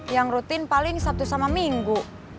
yang rutin paling sabtu sama minggu